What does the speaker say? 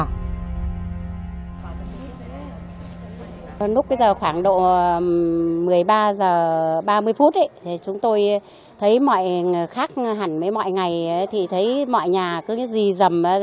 lúc bây giờ khoảng độ một mươi ba giờ ba mươi phút chúng tôi thấy mọi người khác hẳn với mọi ngày thì thấy mọi nhà cứ gì dầm